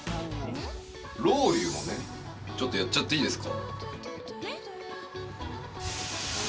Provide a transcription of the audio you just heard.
ロウリュもねちょっとやっちゃっていいですか